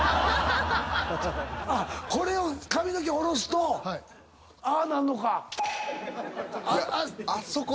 これを髪の毛下ろすとああなんのか？